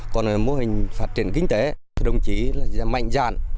còn mô hình phát triển kinh tế thì đồng chí là mạnh dạn